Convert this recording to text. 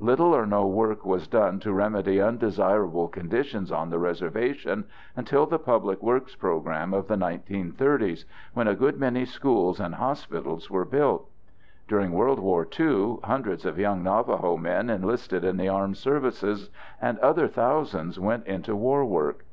Little or no work was done to remedy undesirable conditions on the reservation until the public works program of the 1930's, when a good many schools and hospitals were built. During World War II, hundreds of young Navajo men enlisted in the armed forces and other thousands went into war work.